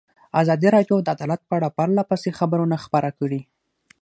ازادي راډیو د عدالت په اړه پرله پسې خبرونه خپاره کړي.